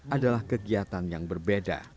adalah kegiatan yang berbeda